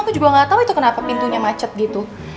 aku juga nggak tau itu kenapa pintunya macet gitu